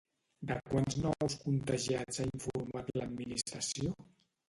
De quants nous contagiats ha informat l'administració?